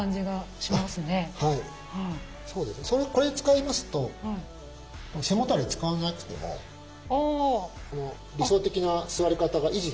これ使いますと背もたれ使わなくても理想的な座り方が維持できるんですね。